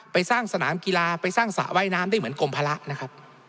ไปสร้างสนามกีฬาไปสร้างสระว่ายน้ำได้เหมือนกรมภาระนะครับ